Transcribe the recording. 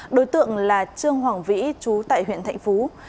đối tượng là trương hoàng vĩ chú tại huyện thạnh phú